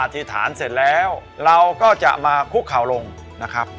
ธิษฐานเสร็จแล้วเราก็จะมาคุกเขาลงนะครับ